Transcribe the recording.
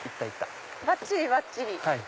ばっちりばっちり。